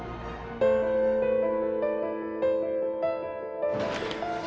hai itu bapak